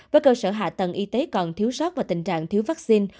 với cơ sở hạ tầng y tế còn thiếu sót và tình trạng thiếu vaccine